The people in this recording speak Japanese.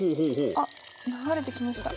あっ流れてきました。